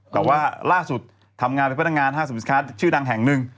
แต่ว่าล่าสุดทำงานเป็นพนักงานห้างสรรพสินค้าชื่อดังแห่งหนึ่ง